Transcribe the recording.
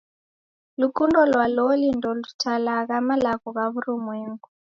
Lukundo lwa loli ndelutalagha malagho ghwa w'urumwengu.